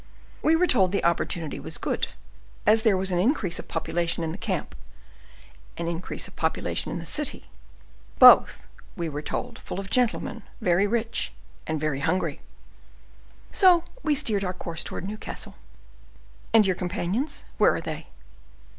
We were told the opportunity was good, as there was an increase of population in the camp, an increase of population in the city; both, we were told, were full of gentlemen, very rich and very hungry. So we steered our course towards Newcastle." "And your companions, where are they?"